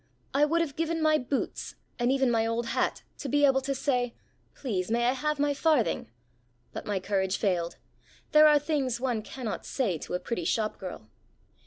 I would have given my boots, and even my old hat, to be able to say, "Please, may I have my farthing?" But my courage failed. There are things one cannot say to a pretty shop girl.